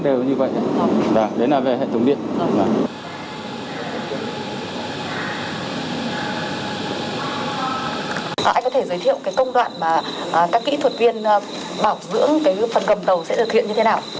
bảo dưỡng phần gầm đầu sẽ thực hiện như thế nào